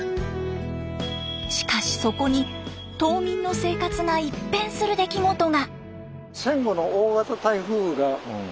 しかしそこに島民の生活が一変する出来事が。